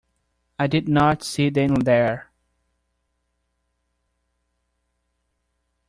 I did not see them there.